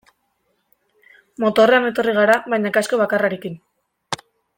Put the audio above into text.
Motorrean etorri gara baina kasko bakarrarekin.